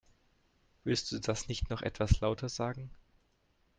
Willst du das nicht noch etwas lauter sagen?